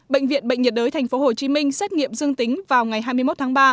bệnh viện bệnh nhiệt đới tp hcm xét nghiệm dương tính vào ngày hai mươi một tháng ba